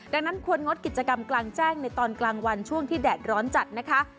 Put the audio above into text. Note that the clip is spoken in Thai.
ดังนั้นควรงดกิจกรรมกลางแจ้งในตอนกลางวันช่วงที่แดดร้อนจัดนะคะ